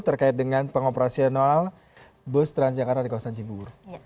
terkait dengan pengoperasian nol bus transjakarta di kawasan cibubur